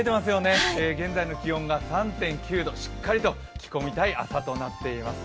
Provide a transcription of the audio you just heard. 現在の気温が３．９度しっかりと着こみたい朝となっています。